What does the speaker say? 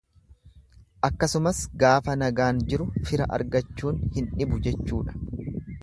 Akkasumas gaafa nagaan jiru fira argachuun hin dhibu jechuudha.